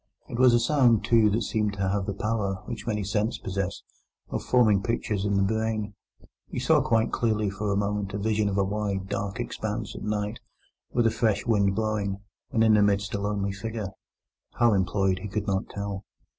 It was a sound, too, that seemed to have the power (which many scents possess) of forming pictures in the brain. He saw quite clearly for a moment a vision of a wide, dark expanse at night, with a fresh wind blowing, and in the midst a lonely figure—how employed, he could not tell.